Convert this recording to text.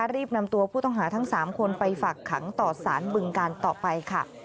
รีบนำตัวผู้ต้องหาทั้ง๓คนไปฝากขังต่อสารบึงการต่อไปค่ะ